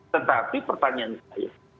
tetapi pertanyaan saya